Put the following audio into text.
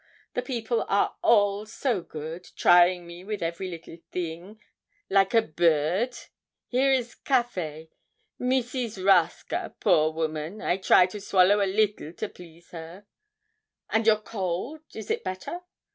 The people are all so good, trying me with every little thing, like a bird; here is café Mrs. Rusk a, poor woman, I try to swallow a little to please her.' 'And your cold, is it better?'